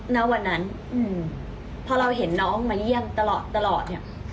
ณวันนั้นพอเราเห็นน้องมาเยี่ยมตลอดตลอดเนี่ย